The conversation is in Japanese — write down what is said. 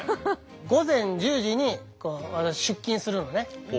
午前１０時に私出勤するのね。